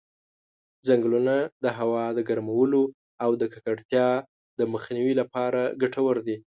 ځنګلونه د هوا د ګرمولو او د ککړتیا د مخنیوي لپاره ګټور دي.